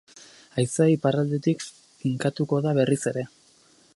Haizea iparraldetik finkatuko da berriz ere.